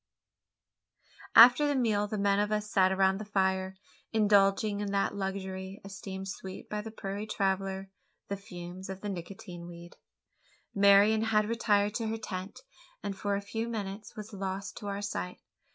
After the meal the men of us sat around the fire, indulging in that luxury esteemed sweet by the prairie traveller the fumes of the Nicotian weed. Marian had retired to her tent; and, for a few minutes, was lost to our sight.